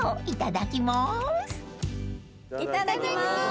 いただきます。